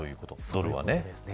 ドルはね。